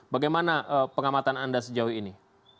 bagaimana pengamatan anda sejauh ini